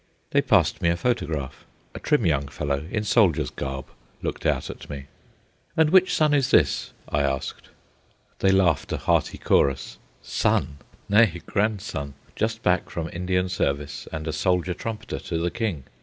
They passed me a photograph. A trim young fellow, in soldier's garb looked out at me. "And which son is this?" I asked. They laughed a hearty chorus. Son! Nay, grandson, just back from Indian service and a soldier trumpeter to the King.